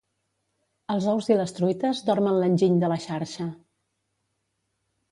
Els ous i les truites dormen l'enginy de la xarxa.